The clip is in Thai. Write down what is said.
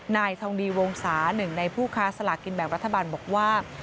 นายทองดีวงศาหนึ่งในผู้ค้าสลากินแบ่งรัฐบาลบอกว่า